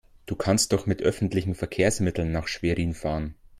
Du kannst doch mit öffentlichen Verkehrsmitteln nach Schwerin fahren